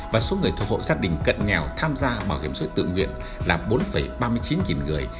và số người thuộc hộ gia đình cận nghèo tham gia bảo hiểm xã hội tự nguyện là bốn ba mươi chín người